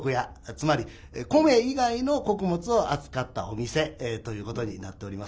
つまり米以外の穀物を扱ったお店ということになっております。